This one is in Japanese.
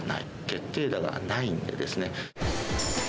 決定打がないのでですね。